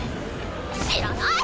知らない！